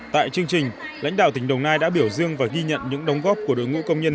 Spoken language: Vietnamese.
tại chương trình lãnh đạo tỉnh đồng nai đã biểu dương và ghi nhận những đóng góp của đội ngũ công nhân